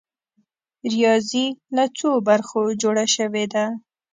ریاضي له څو برخو جوړه شوې ده؟